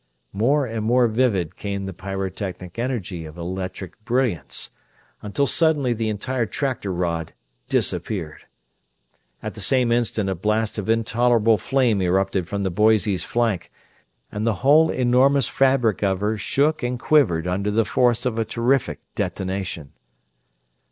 More and more vivid became the pyrotechnic display of electric brilliance, until suddenly the entire tractor rod disappeared. At the same instant a blast of intolerable flame erupted from the Boise's flank and the whole enormous fabric of her shook and quivered under the force of a terrific detonation.